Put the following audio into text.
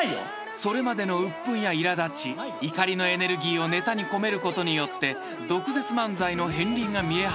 ［それまでの鬱憤やいら立ち怒りのエネルギーをネタに込めることによって毒舌漫才の片りんが見え始め］